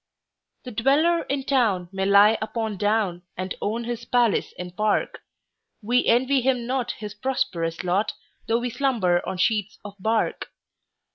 The dweller in town may lie upon down, And own his palace and park:We envy him not his prosperous lot, Though we slumber on sheets of bark.